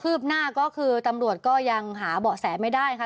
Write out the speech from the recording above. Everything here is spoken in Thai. หน้าก็คือตำรวจก็ยังหาเบาะแสไม่ได้ค่ะ